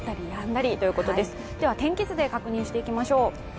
天気図で確認していきましょう。